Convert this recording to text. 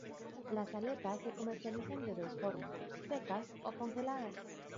Las aletas se comercializan de dos formas: secas o congeladas.